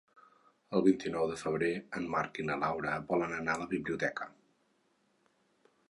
El vint-i-nou de febrer en Marc i na Laura volen anar a la biblioteca.